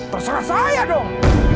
terserah saya dong